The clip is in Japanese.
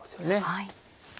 はい。